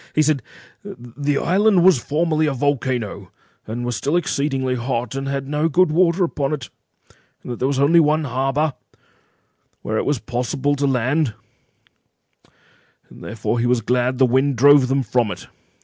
He said—"The island was formerly a volcano, and was still exceedingly hot, and had no good water upon it; and that there was only one harbour where it was possible to land, therefore he was glad that the wind drove them from it."